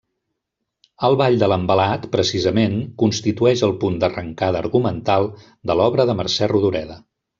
El ball de l'envelat, precisament, constitueix el punt d'arrancada argumental de l'obra de Mercè Rodoreda.